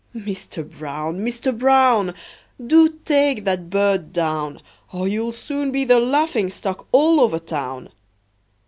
Mister Brown! Mister Brown! Do take that bird down, Or you'll soon be the laughing stock all over town!"